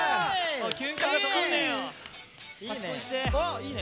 いいね。